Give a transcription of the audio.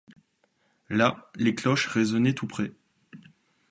Là, les cloches résonnaient tout près.